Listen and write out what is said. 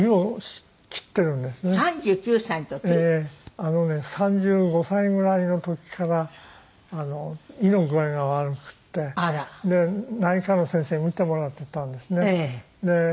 あのね３５歳ぐらいの時から胃の具合が悪くって内科の先生に診てもらってたんですね。ええ。